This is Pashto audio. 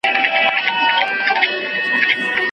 د لارښود مشوره د ملګرو تر مشوري ګټوره وي.